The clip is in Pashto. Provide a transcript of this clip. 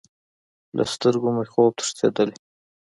له سترګو مې خوب تښتیدلی